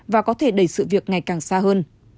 và có thể đẩy sự việc ngày càng xa hơn